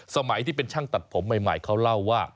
สมัยที่เป็นช่างตัดผมใหม่เขาเล่าว่า